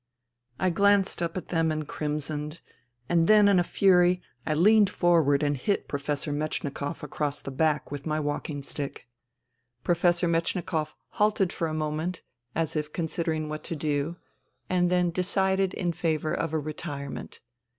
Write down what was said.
I glanced up at them and crimsoned, and then in a furv I leant forward and hit Professor Metchni THE THREE SISTERS 75 koff across the back with my walking stick. Pro fessor Metchnikoff halted for a moment, as if con sidering what to do, and then decided in favour of a retirement.